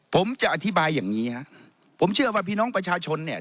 ผมจะอธิบายอย่างนี้ฮะผมเชื่อว่าพี่น้องประชาชนเนี่ย